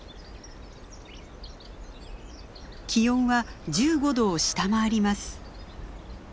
気温は１５度を下回ります。